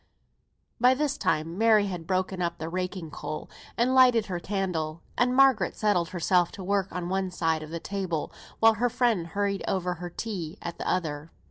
By this time Mary had broken up the raking coal, and lighted her candle; and Margaret settled herself to her work on one side of the table, while her friend hurried over her tea at the other.